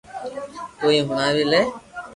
تو ھي ھڻاوي لي